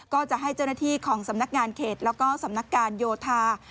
ก็จะให้เจ้าหน้าที่ของสำนักงานเขตแล้วก็สำนักการโยธา